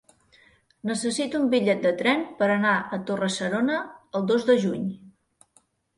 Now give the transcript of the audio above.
Necessito un bitllet de tren per anar a Torre-serona el dos de juny.